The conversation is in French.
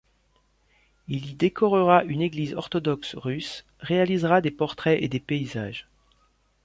Il y décorera une église orthodoxe russe, réalisera des portraits et des paysages.